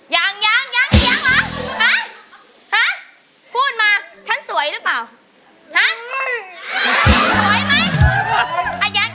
อย่างหรอหาพูดมาฉันสวยหรือเปล่าสวยไหมอ้าอยังหรอ